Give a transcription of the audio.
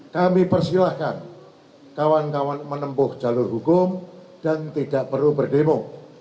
kami persilahkan kawan kawan menempuh jalur hukum dan tidak perlu berdemo